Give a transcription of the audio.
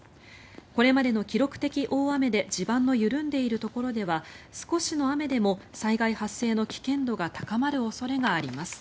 これまでの記録的大雨で地盤の緩んでいるところでは少しの雨でも災害発生の危険度が高まる恐れがあります。